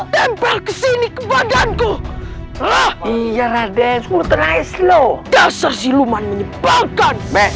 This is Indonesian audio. tempat kesini kepadaku roh iya raden kutenai slow dasar siluman menyebalkan